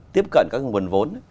tiếp cận các nguồn vốn